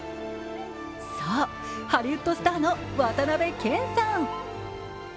そう、ハリウッドスターの渡辺謙さん。